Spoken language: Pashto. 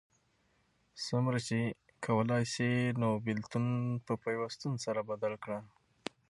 څومره چی کولای سې نو بیلتون په پیوستون سره بدل کړه